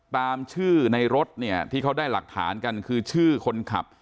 ตามชื่อในรถเนี่ยที่เขาได้หลักฐานกันคือชื่อคนขับ